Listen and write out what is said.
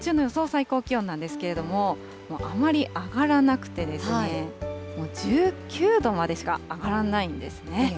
最高気温なんですけれども、あまり上がらなくて、もう１９度までしか上がらないんですね。